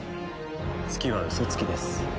月はウソつきです。